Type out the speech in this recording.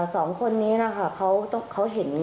สองคนนี้นะคะเขาเห็น